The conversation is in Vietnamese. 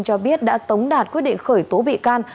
cho biết đã tống đạt quyết định khởi tố bị can